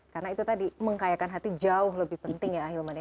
karena itu tadi mengkayakan hati jauh lebih penting ya ahilman ya